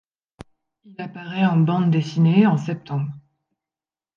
Il apparait en bandes dessinées en septembre.